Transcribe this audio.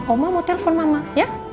oma mau telepon mama ya